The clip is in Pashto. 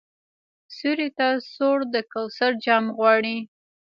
سیوري ته سوړ د کوثر جام غواړي